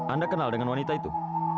anda kenal dengan wanita itu